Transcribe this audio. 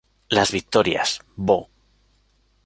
Las Victorias, Bo.